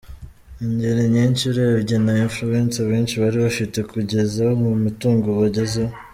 Ingero ni nyinshi urebye na influence abenshi bari bafite, ukageza ku mitungo bagezeho.